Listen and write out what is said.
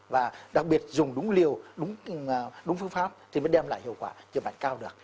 và đặc biệt dùng đúng liệu đúng phương pháp thì mới đem lại hiệu quả chữa bệnh cao được